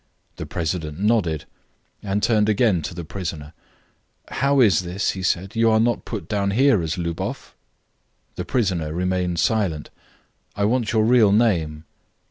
The president nodded, and turned again to the prisoner. "How is this," he said, "you are not put down here as Lubov?" The prisoner remained silent. "I want your real name."